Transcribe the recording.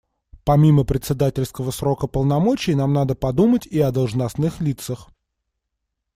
Помимо председательского срока полномочий нам надо подумать и о должностных лицах.